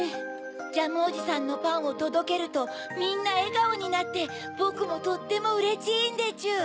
ジャムおじさんのパンをとどけるとみんなえがおになってぼくもとってもうれちいんでちゅ。